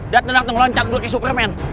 dan telah terlonceng seperti superman